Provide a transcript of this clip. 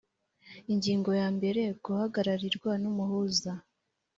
ingingo yambere guhagararirwa n umuhuza